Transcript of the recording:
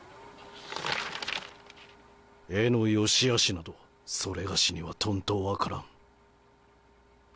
絵のよしあしなどそれがしにはとんと分からん。